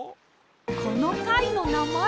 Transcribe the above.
このかいのなまえです！